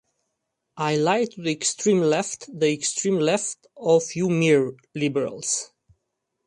I lie to the extreme left, the extreme left of you mere liberals.